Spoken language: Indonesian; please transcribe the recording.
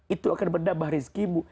itu akan mendambah rezekimu